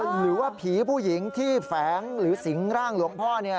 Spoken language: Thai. หรือว่าผีผู้หญิงที่แฝงหรือสิงร่างหลวงพ่อ